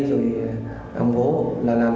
rồi ông bố là làm